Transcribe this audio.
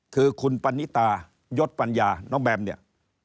คือคุณปณิตายศปัญญาน้องแบมเนี่ย